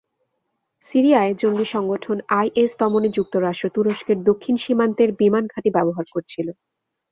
সিরিয়ায় জঙ্গি সংগঠন আইএস দমনে যুক্তরাষ্ট্র তুরস্কের দক্ষিণ সীমান্তের বিমানঘাঁটি ব্যবহার করছিল।